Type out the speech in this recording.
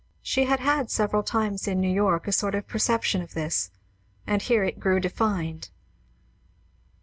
She had had several times in New York a sort of perception of this, and here it grew defined.